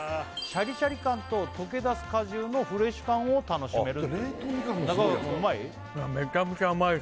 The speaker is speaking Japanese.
シャリシャリ感ととけだす果汁のフレッシュ感を楽しめる中川くんうまい？